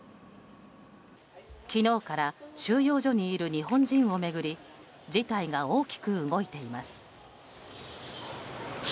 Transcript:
昨日から収容所にいる日本人を巡り事態が大きく動いています。